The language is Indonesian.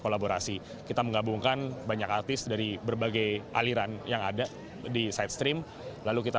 kolaborasi kita menggabungkan banyak artis dari berbagai aliran yang ada di site stream lalu kita